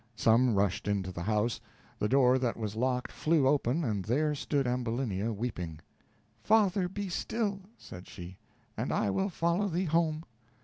Some rushed into the house; the door that was locked flew open, and there stood Ambulinia, weeping. "Father, be still," said she, "and I will follow thee home."